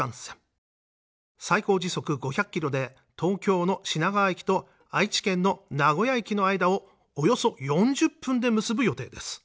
最高時速５００キロで東京の品川駅と愛知県の名古屋駅の間をおよそ４０分で結ぶ予定です。